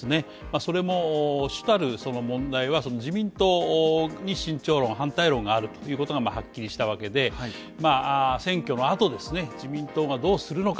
それも主たるその問題は自民党に慎重論反対論があるということがはっきりしたわけで選挙の後ですね、自民党はどうするのか。